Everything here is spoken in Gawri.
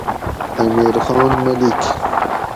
امیر خان ملیک